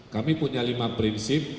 kami punya lima prinsip